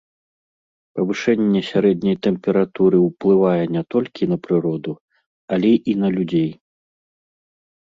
Павышэнне сярэдняй тэмпературы ўплывае не толькі на прыроду, але і на людзей.